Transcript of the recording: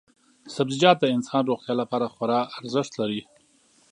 سبزیجات د انسان روغتیا لپاره خورا ارزښت لري.